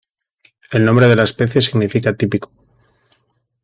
El nombre de la especie significa típico.